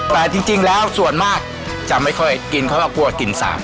แต่จริงจริงแล้วส่วนมากจะไม่ค่อยกินเขาก็กลัวกลิ่นสาบ